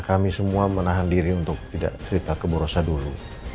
kami semua menahan diri untuk tidak cerita ke borosa dulu